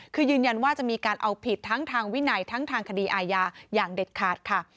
คือยืนยันว่าจะมีการเอาผิดทั้งทางวินัยทั้งทางคดีอาญาอย่างเด็ดขาดค่ะ